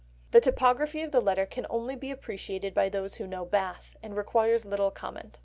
The topography of the letter can only be appreciated by those who know Bath, and requires little comment.